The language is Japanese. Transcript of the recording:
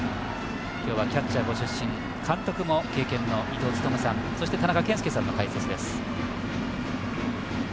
今日はキャッチャーご出身監督も経験された伊東勤さん、そして田中賢介さんの解説です。